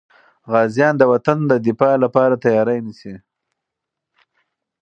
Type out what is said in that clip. غازیان د وطن د دفاع لپاره تیاري نیسي.